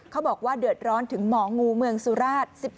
เขาบอกว่าเดือดร้อนถึงหมองูเมืองสุราช